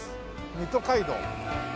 水戸街道。